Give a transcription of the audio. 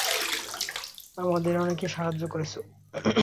আমাদের অনেক সাহায্য করেছো।